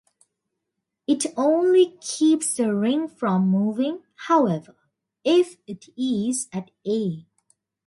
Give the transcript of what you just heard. It only keeps the ring from moving, however, if it is at "A".